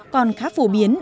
còn khá phổ biến